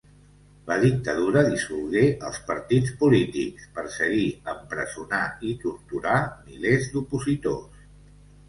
La dictadura dissolgué els partits polítics, perseguí, empresonà i torturà milers d'opositors.